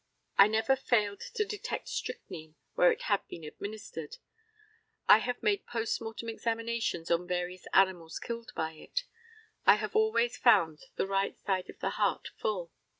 I never failed to detect strychnine where it had been administered. I have made post mortem examinations on various animals killed by it. I have always found the right side of the heart full.